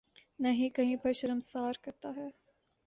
نہ ہی کہیں پر شرمسار کرتا ہے۔